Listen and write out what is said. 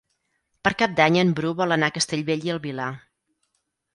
Per Cap d'Any en Bru vol anar a Castellbell i el Vilar.